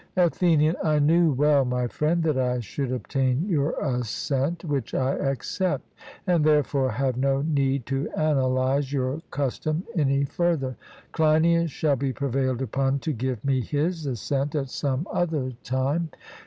Athenian: I knew well, my friend, that I should obtain your assent, which I accept, and therefore have no need to analyze your custom any further. Cleinias shall be prevailed upon to give me his assent at some other time.